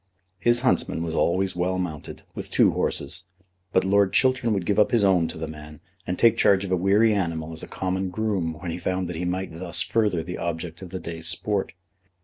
His huntsman was always well mounted, with two horses; but Lord Chiltern would give up his own to the man and take charge of a weary animal as a common groom when he found that he might thus further the object of the day's sport.